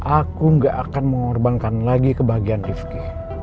aku ga akan mengorbankan lagi kebahagiaan rifqi